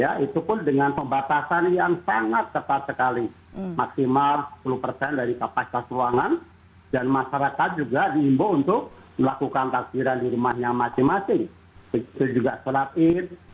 aturan aturan ini diketahui oleh masyarakat dan juga dijalankan oleh masyarakat